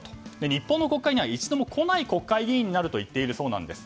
日本の国会には一度も来ない国会議員になると言っているそうです。